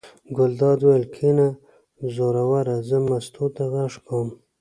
ګلداد وویل: کېنه زوروره زه مستو ته غږ کوم.